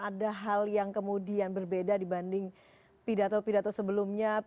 ada hal yang kemudian berbeda dibanding pidato pidato sebelumnya